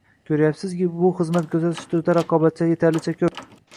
Koʻryapsizki, bu xizmat koʻrsatish turida raqobatchilar yetarlicha koʻp.